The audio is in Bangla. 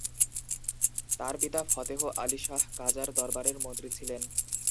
তার পিতা ফতেহ-আলী শাহ কাজার দরবারের মন্ত্রী ছিলেন।